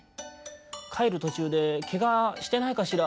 「かえるとちゅうでけがしてないかしら」。